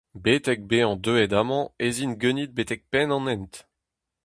Betek bezañ deuet amañ ez in ganit betek penn an hent.